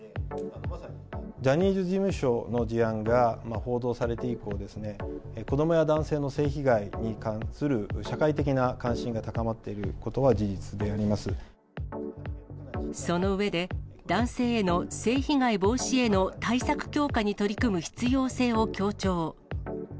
ジャニーズ事務所の事案が報道されて以降、子どもや男性の性被害に関する社会的な関心が高まっていることはその上で、男性への性被害防止への対策強化に取り組む必要性を強調。